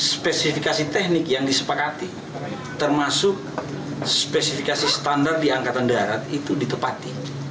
spesifikasi teknik yang disepakati termasuk spesifikasi standar di angkatan darat itu ditepati